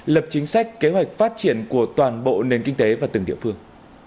lập chính sách kế hoạch phát triển của toàn bộ nền kinh tế và từng địa phương